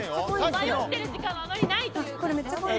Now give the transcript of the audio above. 迷ってる時間はあまりないということですね。